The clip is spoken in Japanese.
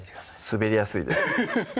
滑りやすいです